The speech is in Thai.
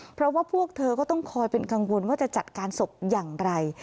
เพราะว่าพวกเธอก็ต้องคอยเป็นกังวลว่าจะจัดการศพอย่างไร